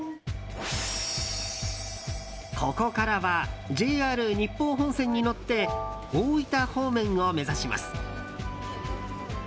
ここからはＪＲ日豊本線に乗って大分方面を目指します。